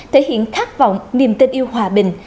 thể hiện khát vọng niềm tin yêu hòa bình